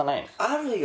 あるよ！